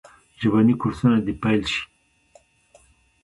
ژبني کورسونه دي پیل سي.